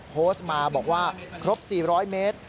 โพสต์มาบอกว่าครบ๔๐๐เมตร